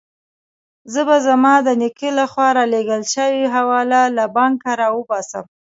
زه به زما د نیکه له خوا رالېږل شوې حواله له بانکه راوباسم.